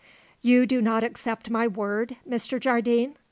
"You do not accept my word, Mr. Jardine?"